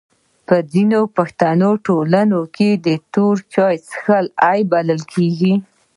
په ځینو پښتني ټولنو کي توري چای چیښل عیب بلل کیږي.